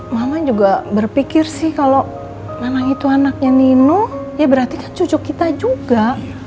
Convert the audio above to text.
mama juga berpikir sih kalau memang itu anaknya nino ya berarti kan cucu kita juga